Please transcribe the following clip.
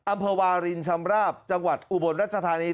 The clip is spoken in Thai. อำเภอวารินชำราบจังหวัดอุบลรัชธานี